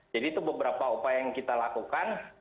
jadi itu beberapa upaya yang kita lakukan